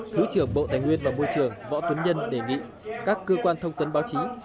thứ trưởng bộ tài nguyên và môi trường võ tuấn nhân đề nghị các cơ quan thông tấn báo chí